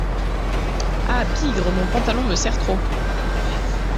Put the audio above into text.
Ah ! bigre !… mon pantalon me serre trop.